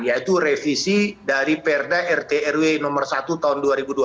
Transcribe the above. yaitu revisi dari perda rt rw nomor satu tahun dua ribu dua puluh